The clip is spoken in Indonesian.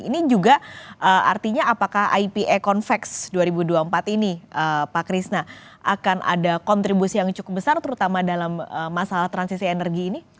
ini juga artinya apakah ipa convex dua ribu dua puluh empat ini pak krishna akan ada kontribusi yang cukup besar terutama dalam masalah transisi energi ini